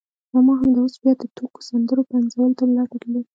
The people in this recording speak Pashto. ماما همدا اوس بیا د ټوکو سندرو پنځولو ته ملا تړلې.